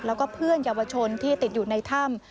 แล้วก็เพื่อนเยาวชนที่ติดอยู่ในถ้ำ